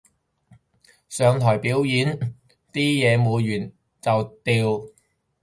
上台表演啲嘢抹完就掉